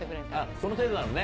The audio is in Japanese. その程度なのね。